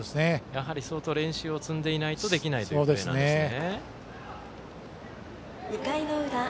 やはり、相当練習を積んでいないとできないということなんですね。